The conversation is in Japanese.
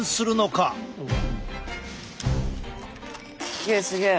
すげえすげえ！